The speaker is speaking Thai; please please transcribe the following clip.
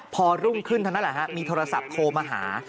พอรุ่งขึ้นเท่านั้นแหละฮะมีโทรศัพท์โทรมาหา